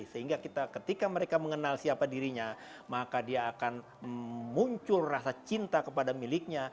sehingga kita ketika mereka mengenal siapa dirinya maka dia akan muncul rasa cinta kepada miliknya